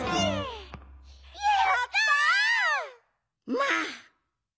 まあ！